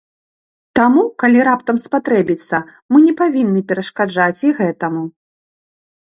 Таму, калі раптам спатрэбіцца, мы не павінны перашкаджаць і гэтаму.